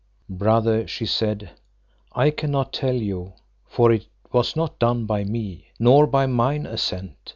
Brother, she said, I can not tell you, for it was not done by me, nor by mine assent.